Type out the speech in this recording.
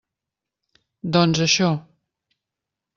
Doncs, això.